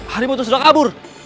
harimau itu sudah kabur